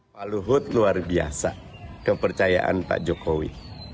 paluhut luar biasa kepercayaan pak jokowi